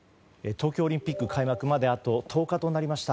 東京オリンピック開幕まであと１０日となりました。